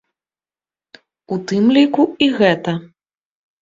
У тым ліку, і гэта.